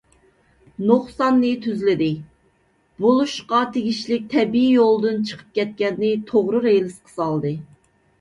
نۇقساننى تۈزلىدى، بولۇشقا تېگىشلىك تەبىئىي يولىدىن چىقىپ كەتكەننى توغرا رېلىسقا سالدى.